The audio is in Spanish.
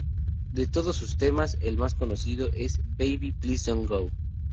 De todos sus temas, el más conocido es "Baby, please don't go".